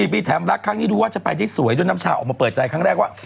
ปีแถมรักครั้งนี้ดูว่าจะไปได้สวยด้วยน้ำชาออกมาเปิดใจครั้งแรกว่า